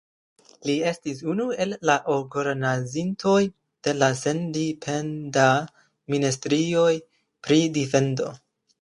Li estis unu el la organizantoj de la sendependa ministerio pri defendo.